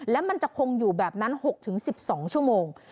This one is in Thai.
และมันจะคงอยู่แบบนั้น๖๑๒ชั่วโมง